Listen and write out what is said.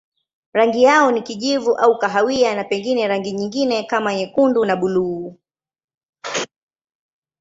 Rangi yao ni kijivu au kahawia na pengine rangi nyingine kama nyekundu na buluu.